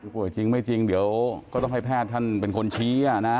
จริงไม่จริงเดี๋ยวก็ต้องให้แพทย์ท่านเป็นคนชี้นะ